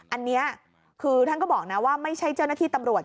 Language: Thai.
อันนี้คือท่านก็บอกนะว่าไม่ใช่เจ้าหน้าที่ตำรวจ